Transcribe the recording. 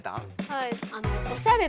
はい。